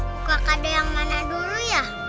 buka kade yang mana dulu ya